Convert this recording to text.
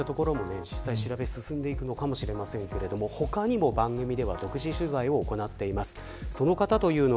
これからこういったところも実際に調べが進んでいくのかもしれませんが他にも番組では独自取材を行っています。